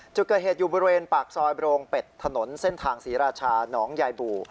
จุดเกิดเหตุอยู่บริเวณปากซอยโรงเป็ดถนนเส้นทางศรีราชาหนองยายบู่